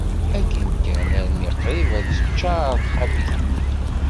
Akken kan, almi qrib ad teččar txabit-nni.